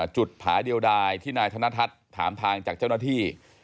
จุดผาเดียวใดที่นายธนทัศน์ถามทางจากเจ้าหน้าที่